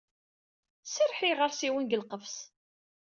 Serreḥ i yiɣersiwen seg lqefṣ.